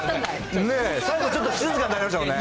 最後ちょっと、静かになりましたもんね。